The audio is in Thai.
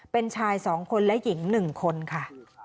เป็นชาย๒คนและหญิง๑คนค่ะ